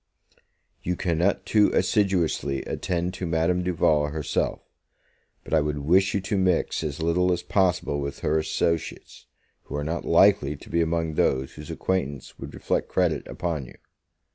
You cannot too assiduously attend to Madame Duval herself; but I would wish you to mix as little as possible with her associates, who are not likely to be among those whose acquaintance would reflect credit upon you.